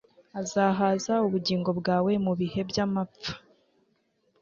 azahaza ubugingo bwawe mu bihe byamapfa